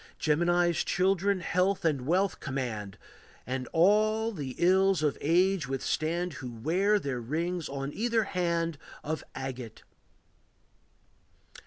Gemini's children health and wealth command, And all the ills of age withstand, Who wear their rings on either hand Of agate.